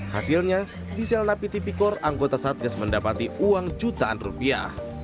hasilnya di sel napi tipikor anggota satgas mendapati uang jutaan rupiah